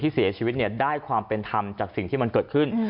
เสียชีวิตได้ความเป็นธรรมจากสิ่งที่มันเกิดขึ้น